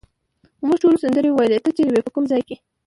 موږ ټولو سندرې وویلې، ته چیرې وې، په کوم ځای کې؟